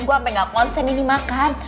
gue sampai gak konsen ini makan